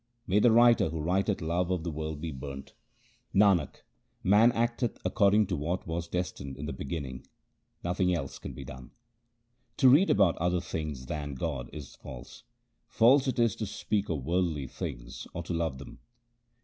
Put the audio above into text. May the writer who writeth love of the world be burnt ! Nanak, man acteth according to what was destined in the beginning ; nothing else can be done. To read about other things than God is false ; false it is to speak of worldly things or to love them.